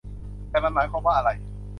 แต่มันหมายความว่าอะไร